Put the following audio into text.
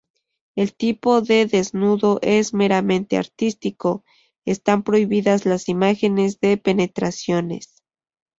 El tipo de desnudo es meramente artístico; están prohibidas las imágenes de penetraciones.